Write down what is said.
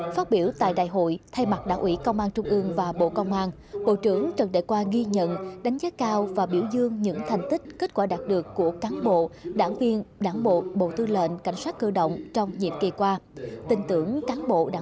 phát biểu tại đại hội thay mặt đảng ủy công an trung ương và bộ công an bộ trưởng trần đại quang ghi nhận đánh giá cao và biểu dương những thành tích kết quả đạt được của cán bộ đảng viên đảng bộ bộ tư lệnh cảnh sát cơ động trong nhiệm kỳ qua